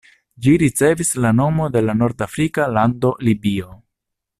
Ĝi ricevis la nomon de la nordafrika lando Libio.